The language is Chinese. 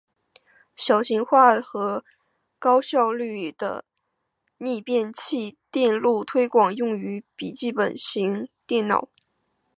小型化和高效率的逆变器电路推广用于笔记型电脑。